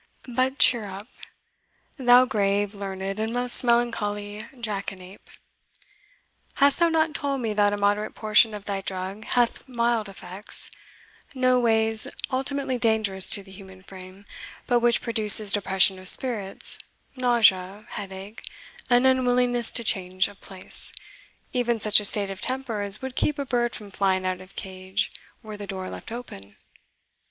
But cheer up, thou grave, learned, and most melancholy jackanape! Hast thou not told me that a moderate portion of thy drug hath mild effects, no ways ultimately dangerous to the human frame, but which produces depression of spirits, nausea, headache, an unwillingness to change of place even such a state of temper as would keep a bird from flying out of a cage were the door left open?"